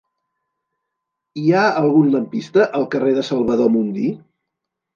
Hi ha algun lampista al carrer de Salvador Mundí?